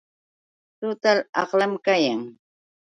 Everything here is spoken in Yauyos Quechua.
Total aqlam kayan.